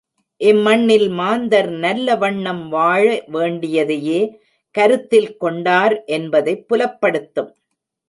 இம்மண்ணில் மாந்தர் நல்ல வண்ணம் வாழ வேண்டியதையே கருத்தில் கொண்டார் என்பதைப் புலப்படுத்தும்.